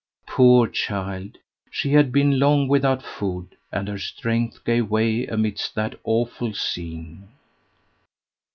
Poor child, she had been long without food, and her strength gave way amidst that awful scene.